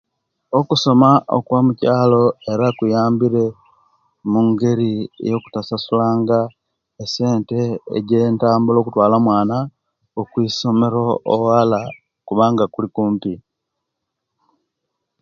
Okusoma okwomukyalo era kuyambire mungeri eyakutasasulanga esente eje'ntambula okutwala omwana okwisomero owala kubanga kulikumpi